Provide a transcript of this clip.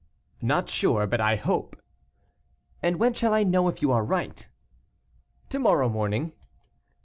"Not sure, but I hope." "And when shall I know if you are right?" "To morrow morning."